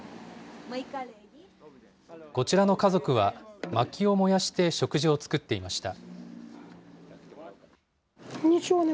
こちらの家族は、まきを燃やして食事を作っていました。